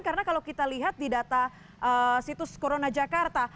karena kalau kita lihat di data situs corona jakarta